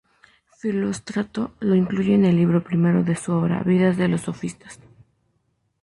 Filóstrato lo incluye en el Libro I de su obra "Vidas de los sofistas".